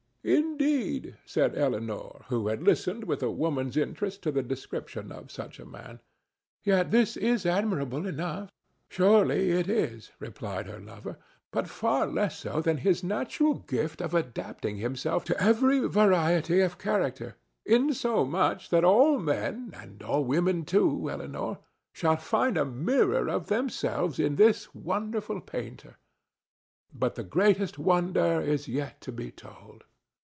"Indeed!" said Elinor, who had listened with a women's interest to the description of such a man. "Yet this is admirable enough." "Surely it is," replied her lover, "but far less so than his natural gift of adapting himself to every variety of character, insomuch that all men—and all women too, Elinor—shall find a mirror of themselves in this wonderful painter. But the greatest wonder is yet to be told."